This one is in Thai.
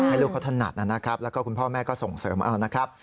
ให้ลูกเขาถนัดนะแล้วก็คุณพ่อแม่ก็ส่งเสริมนะครับ